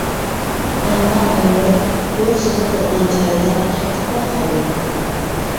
ئەمما ئاينۇر تۇيۇقسىزلا تۇرغان جايىدا قېتىپلا قالدى.